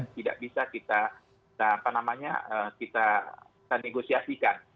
tidak bisa kita negosiasikan